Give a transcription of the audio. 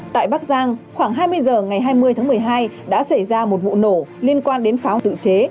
tại bắc giang khoảng hai mươi h ngày hai mươi tháng một mươi hai đã xảy ra một vụ nổ liên quan đến pháo tự chế